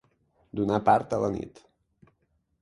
Donar part a la nit.